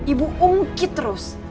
ibu ungkit terus